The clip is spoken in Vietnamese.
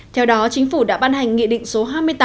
theo đó chính phủ đã ban hành nghị định số hai mươi tám